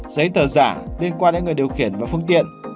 giấy tờ giả liên quan đến người điều khiển và phương tiện